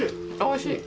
おいしい。